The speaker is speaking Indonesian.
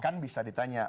kan bisa ditanya